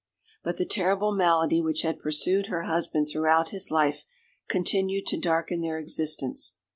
But the terrible malady which had pursued her husband throughout his life continued to darken their existence.